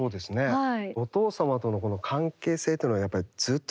はい。